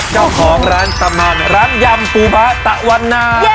เจ้าของร้านตำนานร้านยำปูบะตะวันนา